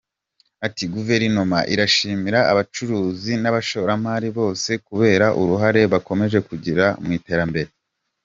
Ati “Guverinoma irashimira abacuruzi n’abashoramari bose kubera uruhare bakomeje kugira mu iterambere.